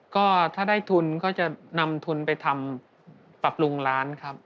ก็ถ้าได้ทุนก็จะนำทุนไปทำปรับปรุงร้านครับ